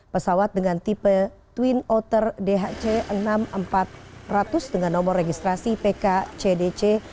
pesawat dengan tipe twin otter dhc enam ratus empat ratus dengan nomor registrasi pkcdc